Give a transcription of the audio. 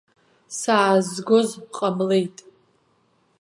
Саазгоз ҟалмеит.